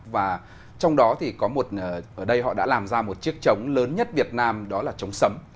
và trong đó thì có một ở đây họ đã làm ra một chiếc trống lớn nhất việt nam đó là trống sấm